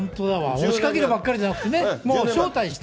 押しかけるばっかりじゃなくて、もう招待して。